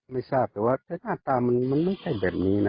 ไม่ทราบแต่หน้าตามันมันความคิดแบบนี้นะ